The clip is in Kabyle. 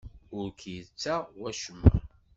Ur k-yettaɣ wacemma.